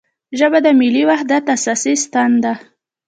ژبه د ملي وحدت اساسي ستن ده